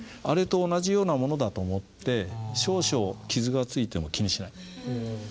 あれと同じようなものだと思って少々傷がついても気にしない。